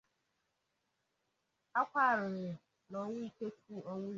Akwa Arịrị N’ọnwụ Ikechukwu Ọnwụzurike